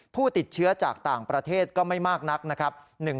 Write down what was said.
ผู้ติดเชื้อจากต่างประเทศก็ไม่มากนักนะครับ